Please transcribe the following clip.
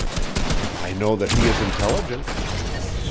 "I know that he is intelligent."